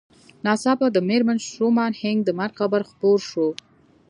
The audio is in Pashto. ناڅاپه د مېرمن شومان هينک د مرګ خبر خپور شو